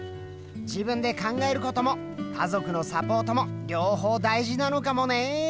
自分で考えることも家族のサポートも両方大事なのかもね！